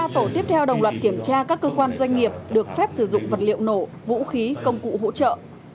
ba tổ tiếp theo đồng loạt kiểm tra các cơ quan doanh nghiệp được phép sử dụng vật liệu nổ vũ khí công cụ hỗ trợ